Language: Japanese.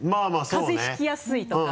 風邪ひきやすいとか。